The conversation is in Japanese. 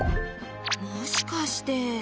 もしかして。